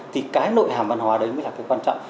thì cái nội hàm văn hóa đấy mới là cái quan trọng